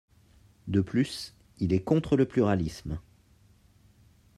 De plus, il est contre le pluralisme.